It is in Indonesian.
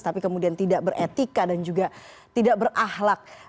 tapi kemudian tidak beretika dan juga tidak berahlak